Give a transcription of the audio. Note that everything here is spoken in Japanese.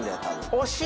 惜しい！